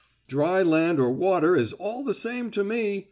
"Dry land or water is all the same to me!"